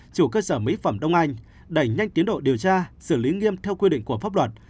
chủ cơ sở mỹ phẩm đông anh đẩy nhanh tiến độ điều tra xử lý nghiêm theo quy định của pháp luật